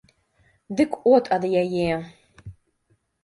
Дык от ад яе!